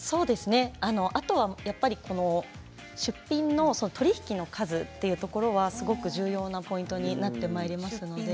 あとは出品の取り引きの数というところはすごく重要になってまいりますので。